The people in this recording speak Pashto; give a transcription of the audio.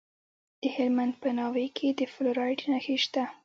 د هلمند په ناوې کې د فلورایټ نښې شته.